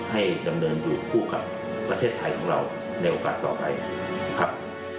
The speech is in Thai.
ให้ดำเนินอยู่คู่กับประเทศไทยของเราในโอกาสต่อไปครับ